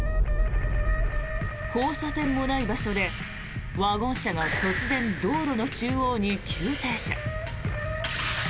交差点もない場所でワゴン車が突然、道路の中央に急停車。